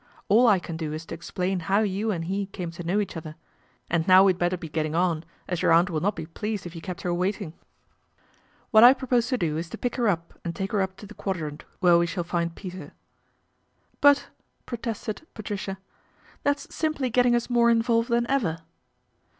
All I can do is to explain how you and he came to know each other ; and now we had better be getting on as your aunt will not be pleased if you keep her wait 122 PATRICIA BRENT, SPINSTER ing. What I propose to do is to pick her up and take her up to the Quadrant where we shall find Peter." " But," protested Patricia, " that's simply getting us more involved than ever."